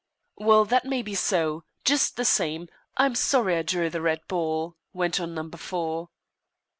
"Well, that may be so. Just the same, I'm sorry I drew the red ball," went on Number Four.